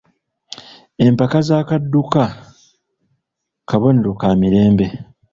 Empaka za kudduka Kabonero ka mirembe.